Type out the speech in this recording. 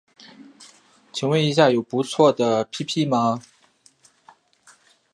请问一下有不错的 ㄟＰＰ 吗